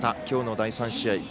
きょうの第３試合